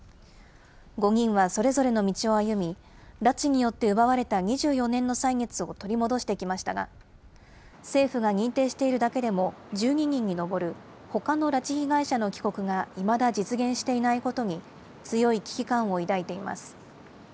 ５人はそれぞれの道を歩み、拉致によって奪われた２４年の歳月を取り戻してきましたが、政府が認定しているだけでも１２人に上る、ほかの拉致被害者の帰国がいまだ実現していないことに、強い危機感を抱いています。